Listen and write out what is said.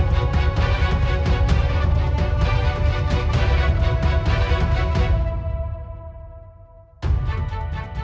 กลับมาิศจริงที่ใส่ทำในวันนี้นะครับ